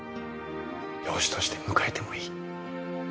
養子として迎えてもいい